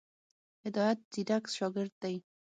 هدایت ځيرک شاګرد دی.